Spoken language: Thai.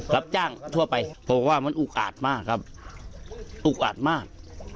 รับจ้างทั่วไปเพราะว่ามันอุกอาจมากครับอุกอาดมาก